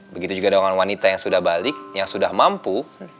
begitu juga dengan wanita yang sudah balik yang sudah mampu